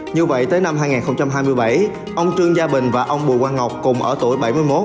như vậy tới năm hai nghìn hai mươi bảy ông trương gia bình và ông bùi quang ngọc cùng ở tuổi bảy mươi một